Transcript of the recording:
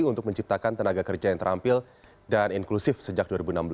untuk menciptakan tenaga kerja yang terampil dan inklusif sejak dua ribu enam belas